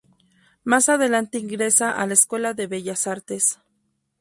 Más adelante ingresa a la Escuela de Bellas Artes.